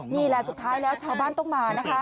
นี่ล่ะสุดท้ายแล้วชาวบ้านต้องมา